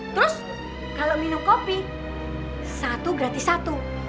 terus kalau minum kopi satu gratis satu